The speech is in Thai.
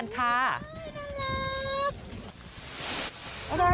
น่ารัก